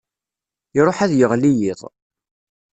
Iṛuḥ ad yeɣli yiḍ.